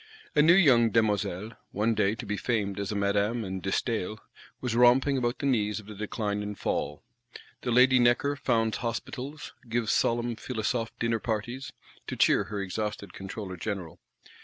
A new young Demoiselle, one day to be famed as a Madame and De Staël, was romping about the knees of the Decline and Fall: the lady Necker founds Hospitals; gives solemn Philosophe dinner parties, to cheer her exhausted Controller General.